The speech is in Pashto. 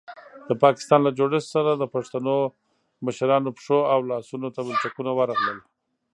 د پاکستان له جوړښت سره د پښتنو مشرانو پښو او لاسونو ته ولچکونه ورغلل.